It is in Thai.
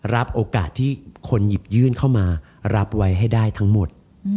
รับโอกาสที่คนหยิบยื่นเข้ามารับไว้ให้ได้ทั้งหมด